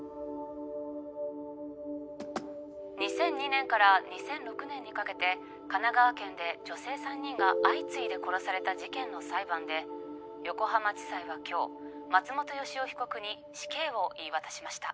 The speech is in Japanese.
２００２年から２００６年にかけて神奈川県で女性３人が相次いで殺された事件の裁判で横浜地裁は今日松本良夫被告に死刑を言い渡しました。